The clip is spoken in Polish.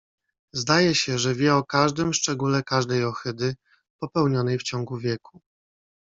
"Zdaje się, że wie o każdym szczególe każdej ohydy, popełnionej w ciągu wieku."